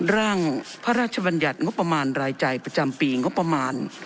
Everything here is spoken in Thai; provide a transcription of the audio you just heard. ร่างพระราชบัญญัติงบประมาณรายจ่ายประจำปีงบประมาณ